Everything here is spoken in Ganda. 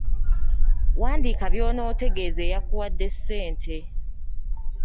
Wandiika by’onootegeeza eyakuwadde ssente.